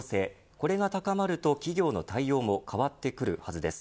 これが高まると企業の対応も変わってくるはずです。